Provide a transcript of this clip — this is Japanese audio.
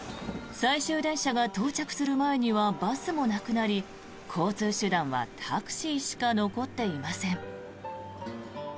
最終電車が到着する前にはバスもなくなり交通手段はタクシーしか残っていません。